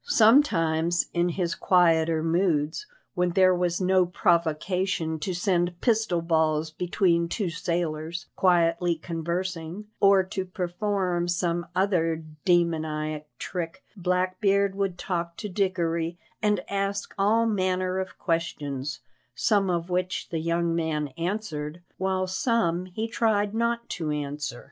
Sometimes, in his quieter moods, when there was no provocation to send pistol balls between two sailors quietly conversing, or to perform some other demoniac trick, Blackbeard would talk to Dickory and ask all manner of questions, some of which the young man answered, while some he tried not to answer.